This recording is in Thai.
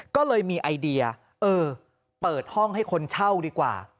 ก็เลยมีไอเดียเออเปิดห้องให้คนเช่าดีกว่า